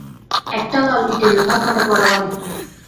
একটা লাল ইটের লোহার ফটকওয়ালা বাড়ি।